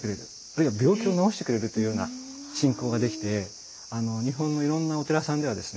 あるいは病気を治してくれるというような信仰ができて日本のいろんなお寺さんではですね